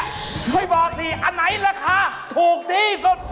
เข้าให้บอกอันไหนราคาถูกที่สุด